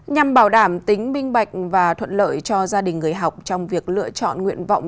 nhằm bảo đảm tính minh bạch và thuận lợi cho gia đình người học trong việc lựa chọn nguyện vọng